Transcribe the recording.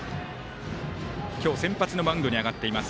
今日先発のマウンドに上がっています